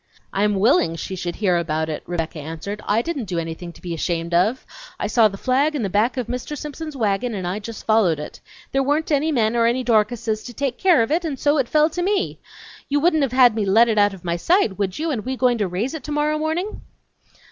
"I'm willing she should hear about it," Rebecca answered. "I didn't do anything to be ashamed of! I saw the flag in the back of Mr. Simpson's wagon and I just followed it. There weren't any men or any Dorcases to take care of it and so it fell to me! You wouldn't have had me let it out of my sight, would you, and we going to raise it tomorrow morning?"